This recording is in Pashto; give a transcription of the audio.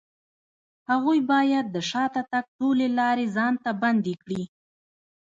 هغوی بايد د شاته تګ ټولې لارې ځان ته بندې کړي.